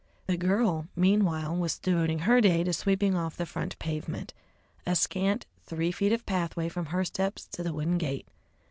The girl, meanwhile, was devoting her day to sweeping off the front pavement, a scant three feet of pathway from her steps to the wooden gate.